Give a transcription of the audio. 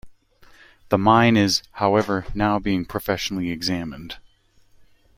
The mine is, however, now being professionally examined.